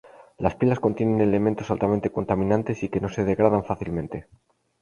Las pilas contienen elementos altamente contaminantes y que no se degradan fácilmente.